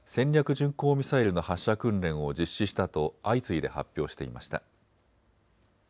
巡航ミサイルの発射訓練を実施したと相次いで発表していました。